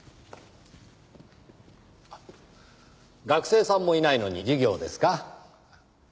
学生さんもいないのに授業ですか？